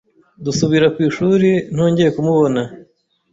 Dusubira ku ishuri ntongeye kumubona.